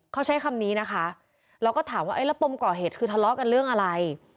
เขาใช้คำนี้นะคะเราก็ถามว่าแล้วปมก่อเหตุคือทะเลาะกันเรื่องอะไร